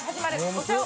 お茶を。